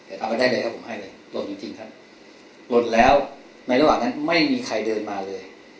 เอาไปได้เลยแล้วผมให้เลยหล่นจริงครับหล่นแล้วในระหว่างนั้นไม่มีใครเดินมาเลย